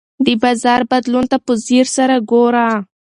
د بازار بدلون ته په ځیر سره ګوره.